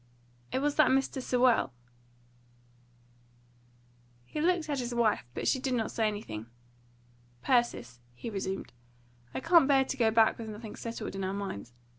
It was that Mr. Sewell." He looked at his wife, but she did not say anything. "Persis," he resumed, "I can't bear to go back with nothing settled in our minds.